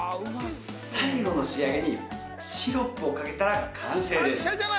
最後の仕上げにシロップをかけたら完成です。